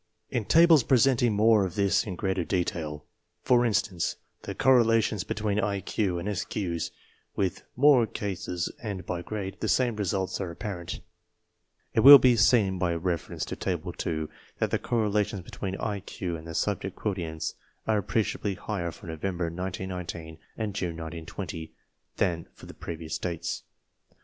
In tables presenting more of this in greater detail, for instance the correlations betwefn IQ and SQ's with more cases and by grade, the same results are apparent. It will be seen by reference to Table 2 that the correlations between IQ and the Subject Quo tients are appreciably higher for November, 1919, and June, 1920, than for the previous dates.